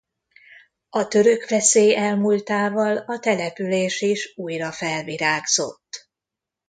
A török veszély elmúltával a település is újra felvirágzott.